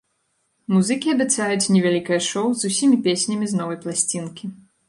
Музыкі абяцаюць невялікае шоў з усімі песнямі з новай пласцінкі.